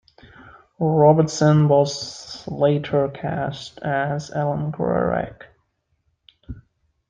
Robinson was later cast as Elim Garak.